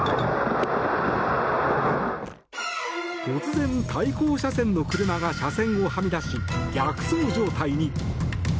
突然、対向車線の車が車線をはみ出し、逆走状態に。